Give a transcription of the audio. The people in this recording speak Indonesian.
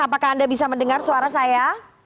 apakah anda bisa mendengar suara saya